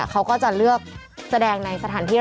เขาก็จะเลือกแสดงในสถานที่